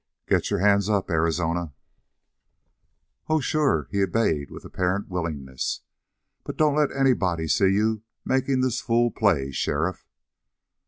"Get your hands up, Arizona." "Oh, sure." He obeyed with apparent willingness. "But don't let anybody see you making this fool play, sheriff."